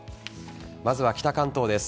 まずは北関東です。